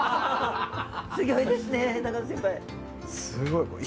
すごい。